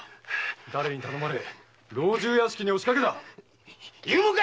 誰に頼まれ老中屋敷に押しかけた⁉言うもんか！